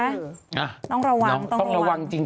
น้องระวังต้องระวังแฟนน้องน้องต้องระวังจริง